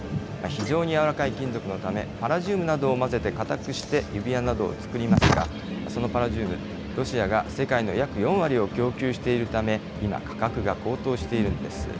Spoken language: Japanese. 非常に柔らかい金属のため、パラジウムなどを混ぜて硬くして、指輪などを作りますが、そのパラジウム、ロシアが世界の約４割を供給しているため、今、価格が高騰しているんです。